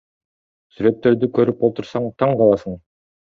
Сүрөттөрдү көрүп олтурсаң таң каласың.